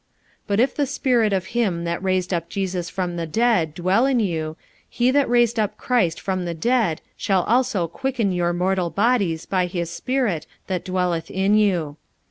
45:008:011 But if the Spirit of him that raised up Jesus from the dead dwell in you, he that raised up Christ from the dead shall also quicken your mortal bodies by his Spirit that dwelleth in you.